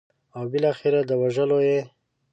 او بالاخره د وژلو یې.